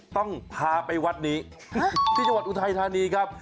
ต้องพาไปวัดนี้ที่จังหวัดอุทัยธานีครับ